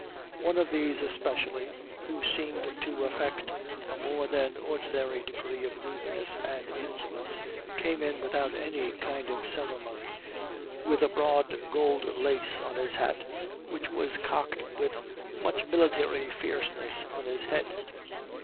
One of these especially, who seemed to affect a more than ordinary degree of rudeness and insolence, came in without any kind of ceremony, with a broad gold lace on his hat, which was cocked with much military fierceness on his head.